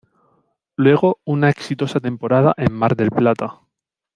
Luego una exitosa temporada en Mar del Plata.